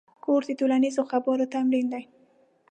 کورس د ټولنیزو خبرو تمرین دی.